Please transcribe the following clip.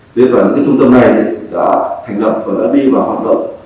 thế và những trung tâm này đã thành lập và đã đi vào hoạt động